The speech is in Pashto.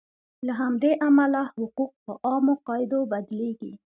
له همدې امله حقوق په عامو قاعدو بدلیږي.